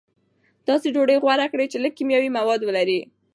داسې ډوډۍ غوره کړئ چې لږ کیمیاوي مواد ولري.